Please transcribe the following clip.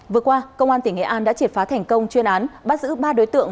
vừa qua công an tỉnh nghệ an đã triệt phá thành công chuyên án bắt giữ ba đối tượng